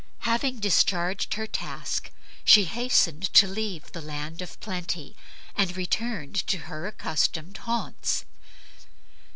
Having discharged her task, she hastened to leave the land of plenty and returned to her accustomed haunts.